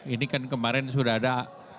ini kan kemarin sudah ada